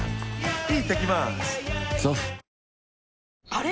あれ？